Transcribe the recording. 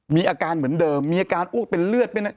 มีอาการเหมือนเดิมมีอาการอ้วกเป็นเลือด